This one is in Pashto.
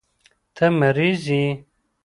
ته مريض يې.